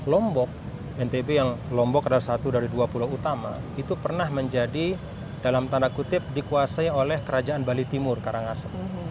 lombok ntb yang lombok adalah satu dari dua pulau utama itu pernah menjadi dalam tanda kutip dikuasai oleh kerajaan bali timur karangasem